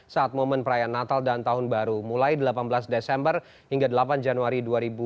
saat momen perayaan natal dan tahun baru mulai delapan belas desember hingga delapan januari dua ribu dua puluh